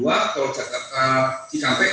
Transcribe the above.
atau jakarta cikampek